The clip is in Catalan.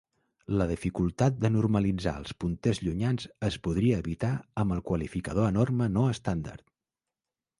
La dificultat de normalitzar els punters llunyans es podria evitar amb el qualificador enorme no estàndard.